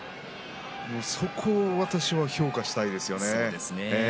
そこを私は評価したいですよね。